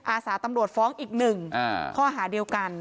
อาสาตำรวจฟ้องอีกหนึ่งข้อหาเดียวกัน